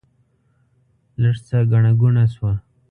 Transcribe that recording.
لږ څه ګڼه ګوڼه شوه.